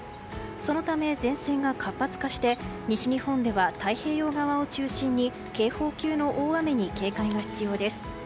そのため、前線が活発化して西日本では太平洋側を中心に警報級の大雨に警戒が必要です。